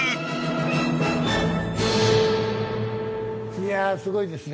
いやあすごいですね。